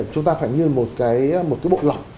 chúng ta phải như một cái bộ lọc